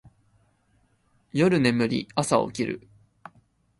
夜眠り、朝起きる